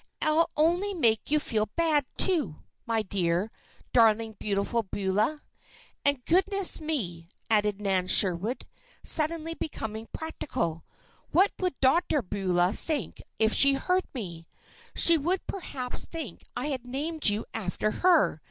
"I'll only make you feel bad, too, my dear, darling Beautiful Beulah. And, goodness me!" added Nan Sherwood, suddenly becoming practical, "what would Dr. Beulah think if she heard me? She would perhaps think I had named you after her.